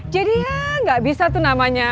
jadi ya gak bisa tuh namanya